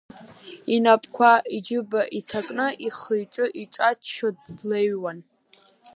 Инапқәа иџьыба иҭакны, ихы-иҿы ихаччо длеиҩеиуан.